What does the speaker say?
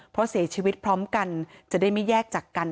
เพราะเสียชีวิตพร้อมกันจะได้ไม่แยกจากกัน